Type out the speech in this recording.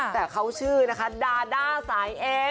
แต่เขาชื่อนะคะดาด้าสายเอ